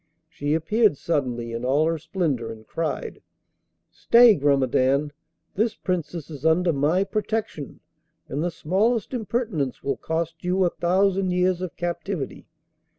She appeared suddenly, in all her splendour, and cried: 'Stay, Grumedan; this Princess is under my protection, and the smallest impertinence will cost you a thousand years of captivity.